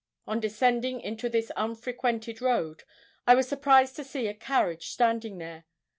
On descending into this unfrequented road, I was surprised to see a carriage standing there.